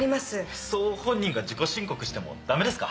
そう本人が自己申告しても駄目ですか？